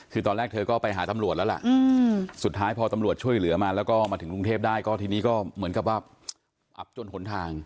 คือตอนแรกเธอก็ไปหาตำรวจแล้วล่ะสุดท้ายพอตำรวจช่วยเหลือมาแล้วก็มาถึงกรุงเทพได้ก็ทีนี้ก็เหมือนกับว่าอับจนหนทาง